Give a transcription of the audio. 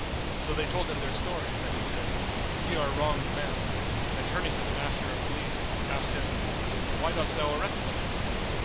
So they told him their stories and he said, "Ye are wronged men," and turning to the Master of Police, asked him, "Why dost thou arrest them?"